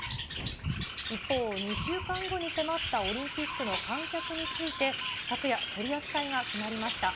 一方、２週間後に迫ったオリンピックの観客について、昨夜、取り扱いが決まりました。